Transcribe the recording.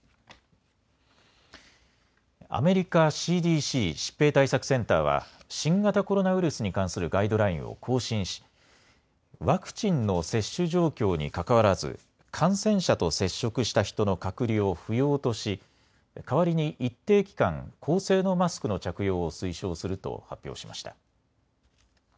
アメリカＣＤＣ・疾病対策センターは新型コロナウイルスに関するガイドラインを更新しワクチンの接種状況にかかわらず感染者と接触した人の隔離を不要とし、代わりに一定機関高性能マスクの着用を推奨すると発表しました。